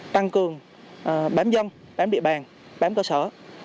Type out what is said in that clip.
tăng cường bám dân bám địa bàn bám cơ sở